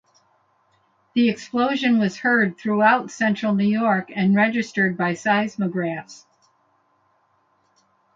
The explosion was heard throughout Central New York and registered by seismographs.